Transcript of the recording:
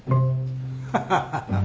・ハハハハ。